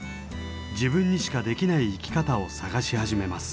自分にしかできない生き方を探し始めます。